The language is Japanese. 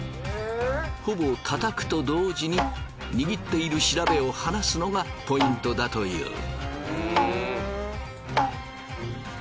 ほぼ叩くと同時に握っている調べを放すのがポイントだという。